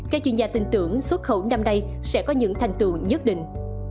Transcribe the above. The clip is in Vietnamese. các chuyên gia tin tưởng xuất khẩu năm nay sẽ có những thành tựu nhất định